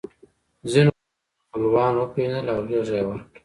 ځینو خپل خپلوان وپېژندل او غېږه یې ورکړه